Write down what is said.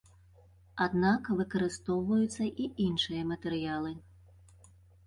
Аднак выкарыстоўваюцца і іншыя матэрыялы.